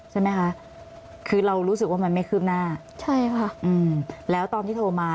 ใช่ไหมคะคือเรารู้สึกว่ามันไม่คืบหน้าใช่ค่ะอืมแล้วตอนที่โทรมา